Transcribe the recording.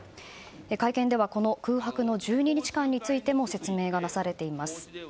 会見ではこの空白の１２日間についても説明がなされています。